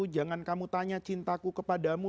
jangan kamu tanya cintaku kepadamu